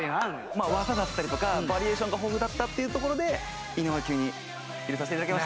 まあ技だったりとかバリエーションが豊富だったっていうところで井上キュンに入れさせて頂きました。